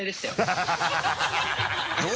ハハハ